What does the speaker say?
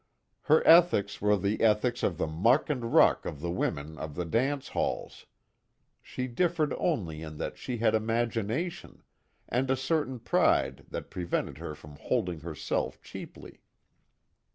Her ethics were the ethics of the muck and ruck of the women of the dance halls. She differed only in that she had imagination and a certain pride that prevented her from holding herself cheaply.